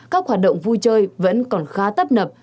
các hoạt động vui chơi vẫn còn khá tấp nập